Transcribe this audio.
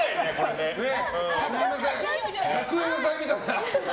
学園祭みたいな。